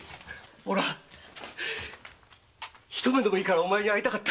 俺は一目でもいいからお前に会いたかった！